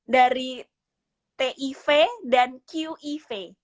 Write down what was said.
dari tiv dan qiv